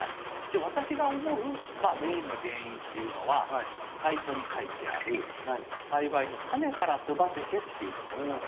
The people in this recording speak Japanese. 私が思うメインの原因っていうのは最初に書いてある栽培の「タネから育てて」っていうところなんですね。